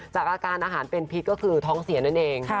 จากอาการอาหารเป็นพิษก็คือท้องเสียนั่นเอง